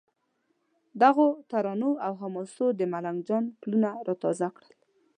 دغو ترانو او حماسو د ملنګ جان پلونه را تازه کړل.